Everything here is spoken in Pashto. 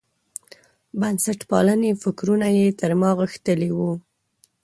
بنسټپالنې فکرونه یې تر ما غښتلي وو.